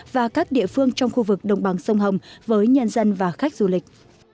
và các địa phương trong khu vực đồng bằng sông hồng với nhân dân và khách du lịch